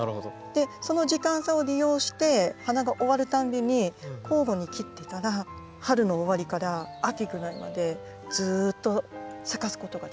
でその時間差を利用して花が終わるたんびに交互に切っていたら春の終わりから秋ぐらいまでずっと咲かすことができます。